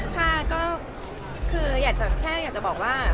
ค่ะก็คืออยากจะแค่อยากจะบอกว่า